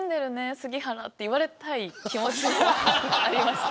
杉原って言われたい気持ちもありました。